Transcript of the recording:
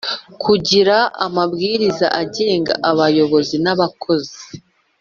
kugira amabwiriza agenga abayobozi n'abakozi,